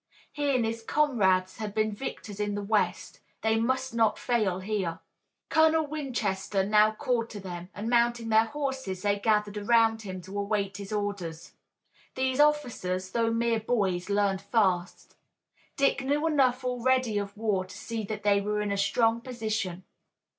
He and his comrades had been victors in the west. They must not fail here. Colonel Winchester now called to them, and mounting their horses they gathered around him to await his orders. These officers, though mere boys, learned fast. Dick knew enough already of war to see that they were in a strong position.